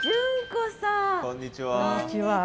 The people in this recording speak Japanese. こんにちは。